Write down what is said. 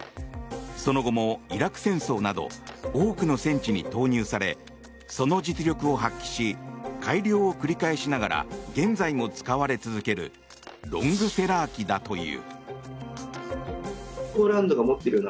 その後もイラク戦争など多くの戦地に投入されその実力を発揮し改良を繰り返しながら現在も使われ続けるロングセラー機だという。